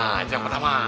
nah itu yang pertama